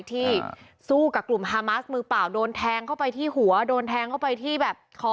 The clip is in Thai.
ที่สู้กับกลุ่มฮามาสมือเปล่าโดนแทงเข้าไปที่หัวโดนแทงเข้าไปที่แบบคอ